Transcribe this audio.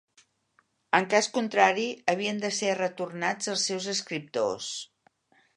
En cas contrari, havien de ser retornats als seus escriptors.